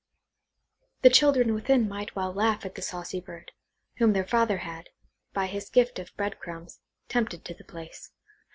The children within might well laugh at the saucy bird, whom their father had, by his gift of bread crumbs, tempted to the place.